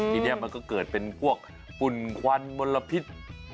ทีนี้มันก็เกิดเป็นพวกฝุ่นควันมลพิษ